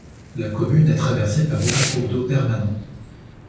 La commune n'est traversée par aucun cours d'eau permanent.